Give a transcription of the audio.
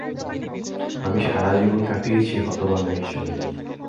আমি সারা জীবন কাটিয়েছি হতভাগা হিসেবে।